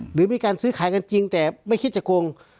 หรือมีการซื้อขายกันจริงแต่ไม่คิดจะโกง